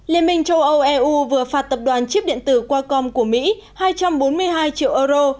liên minh châu âu eu vừa phạt tập đoàn chip điện tử qualcom của mỹ hai trăm bốn mươi hai triệu euro